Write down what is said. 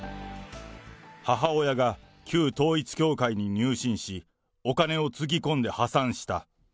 母親が旧統一教会に入信し、お金をつぎ込んで破産した。